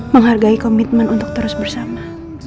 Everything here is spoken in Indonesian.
menghargai komitmen untuk terus bersama